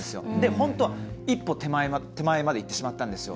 本当、一歩手前までいってしまったんですよ。